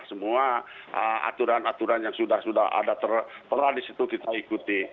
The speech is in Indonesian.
semua aturan aturan yang sudah sudah ada tertera di situ kita ikuti